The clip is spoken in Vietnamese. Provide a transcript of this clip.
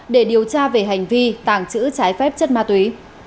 để điều tra về hành vi tàng trữ trái phép chất ma túy